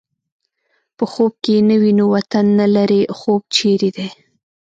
په خوب يې نه وینو وطن نه لرې خوب چېرې دی